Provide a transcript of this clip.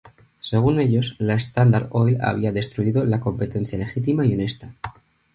Según ellos, la Standard Oil había destruido la competencia legítima y honesta.